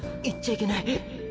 いっちゃいけない」。